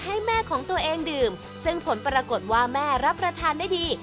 ให้แม่ของตัวเองดื่มซึ่งผลปรากฏว่าแม่รับประทานได้ดี